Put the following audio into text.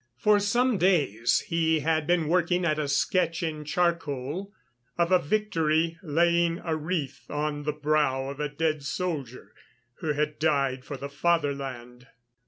For some days he had been working at a sketch in charcoal of a Victory laying a wreath on the brow of a dead soldier, who had died for the fatherland.